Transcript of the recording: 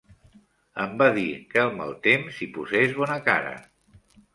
Em va dir que al mal temps hi posés bona cara.